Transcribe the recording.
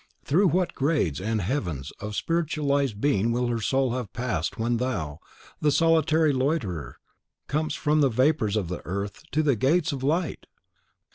Through what grades and heavens of spiritualised being will her soul have passed when thou, the solitary loiterer, comest from the vapours of the earth to the gates of light!"